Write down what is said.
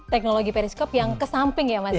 teknologi periskop yang ke samping ya mas ya